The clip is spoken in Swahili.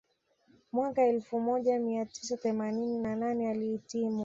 Mwaka elfu moja mia tisa themanini na nane alihitimu